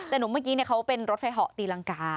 แต่หนูเมื่อกี้เขาเป็นรถไฟเหาะตีรังกา